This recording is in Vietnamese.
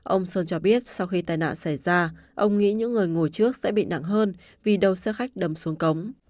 ông sơn cho biết sau khi tai nạn xảy ra ông nghĩ những người ngồi trước sẽ bị nặng hơn vì đầu xe khách đầm xuống cống